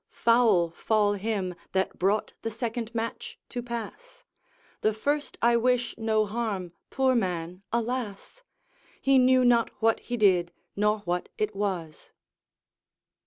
Foul fall him that brought the second match to pass, The first I wish no harm, poor man alas! He knew not what he did, nor what it was.